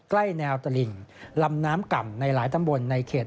แนวตลิ่งลำน้ำก่ำในหลายตำบลในเขต